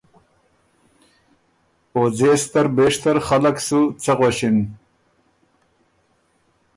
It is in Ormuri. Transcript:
او ځېستر بېشتر خلق سُو څۀ غؤݭِن؟